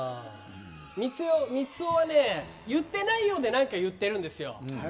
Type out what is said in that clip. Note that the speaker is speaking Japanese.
みつをは言っていないようで何か言っているんですよ